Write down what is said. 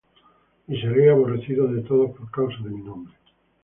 Y seréis aborrecidos de todos por causa de mi nombre.